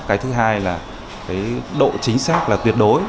cái thứ hai là cái độ chính xác là tuyệt đối